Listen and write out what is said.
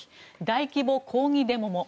大規模抗議デモも。